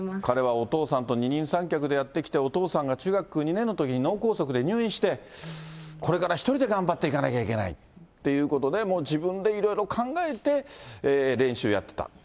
彼はお父さんと二人三脚でやってきて、お父さんが中学２年のときに脳梗塞で入院して、これから一人で頑張っていかなきゃいけないということで、もう自分でいろいろ考えて、練習やってた。